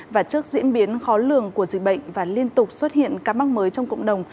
và trước diễn biến khó lường của dịch bệnh và liên tục xuất hiện ca mắc mới trong cộng đồng